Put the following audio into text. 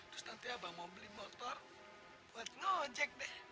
terus nanti abang mau beli motor buat ngojek deh